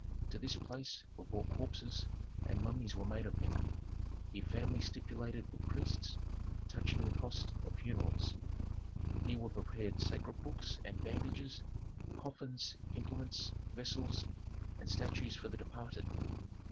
To this place were brought corpses, and mummies were made of them; here families stipulated with priests, touching the cost of funerals. Here were prepared sacred books and bandages, coffins, implements, vessels, and statues for the departed.